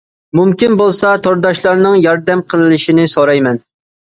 مۇمكىن بولسا تورداشلارنىڭ ياردەم قىلىشىنى سورايمەن.